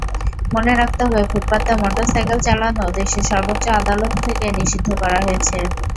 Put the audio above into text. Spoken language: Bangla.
মনে রাখতে হবে, ফুটপাতে মোটরসাইকেল চালানো দেশের সর্বোচ্চ আদালত থেকে নিষিদ্ধ করা হয়েছে।